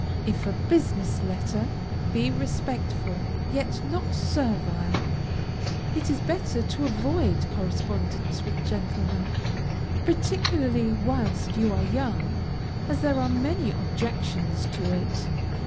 If a business letter, be respectful, yet not servile. It is better to avoid correspondence with gentlemen, particularly whilst you are young, as there are many objections to it.